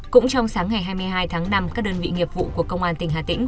cũng trong sáng ngày hai mươi hai tháng năm các đơn vị nghiệp vụ của công an tỉnh hà tĩnh